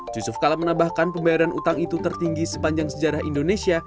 yusuf kala menambahkan pembayaran utang itu tertinggi sepanjang sejarah indonesia